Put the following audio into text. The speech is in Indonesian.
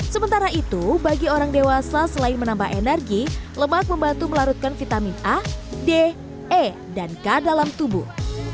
sementara itu bagi orang dewasa selain menambah energi lemak membantu melarutkan vitamin a d e dan k dalam tubuh